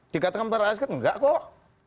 dikatakan pak rais kan enggak kok